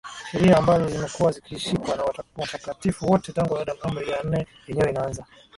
Sheria ambazo zimekuwa zikishikwa na watakatifu wote tangu Adam Amri ya Nne yenyewe inaanza